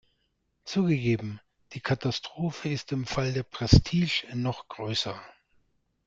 Zugegeben, die Katastrophe ist im Fall der 'Prestige' noch größer.